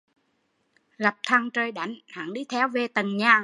Gặp thằng trời đánh, hắn đi theo về tận nhà